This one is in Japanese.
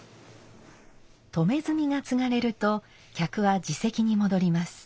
止炭がつがれると客は自席に戻ります。